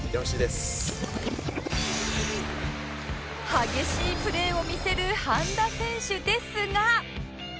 激しいプレーを見せる半田選手ですが